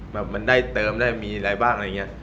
แบบมันได้เติมได้มีอะไรบ้างอะไรอย่างนี้